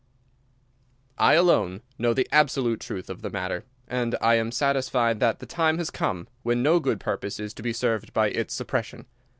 I alone know the absolute truth of the matter, and I am satisfied that the time has come when no good purpose is to be served by its suppression.